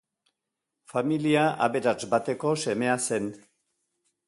Familia aberats bateko semea zen.